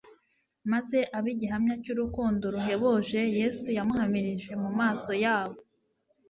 maze abe igihamya cy'urukundo ruhebuje Yesu yamuhamirije mu maso yabo.